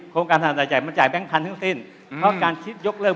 โครงการขนาดใยมันจ่ายแบงค์พันธุ์ทั้งสิ้น